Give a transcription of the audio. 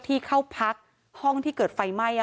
ที่เข้าพักห้องที่เกิดไฟไหม้